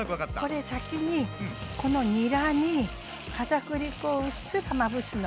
これ先にこのにらに片栗粉をうっすらまぶすの。